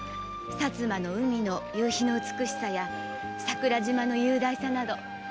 薩摩の海の夕日の美しさや桜島の雄大さなど。